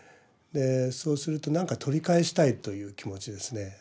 でそうすると何か取り返したいという気持ちですね。